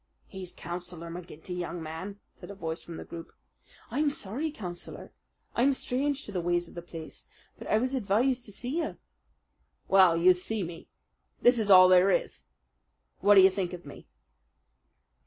"He's Councillor McGinty, young man," said a voice from the group. "I'm sorry, Councillor. I'm strange to the ways of the place. But I was advised to see you." "Well, you see me. This is all there is. What d'you think of me?"